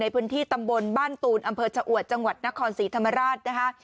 พื้นที่ตำบลบ้านตูนอำเภอชะอวดจังหวัดนครศรีธรรมราชนะคะ